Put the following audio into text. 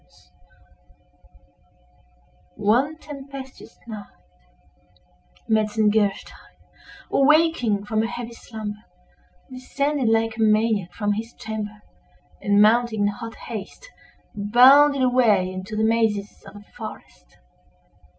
One tempestuous night, Metzengerstein, awaking from a heavy slumber, descended like a maniac from his chamber, and, mounting in hot haste, bounded away into the mazes of the forest.